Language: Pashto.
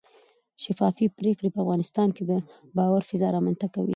شفافې پرېکړې په افغانستان کې د باور فضا رامنځته کوي